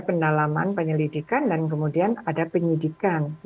pendalaman penyelidikan dan kemudian ada penyidikan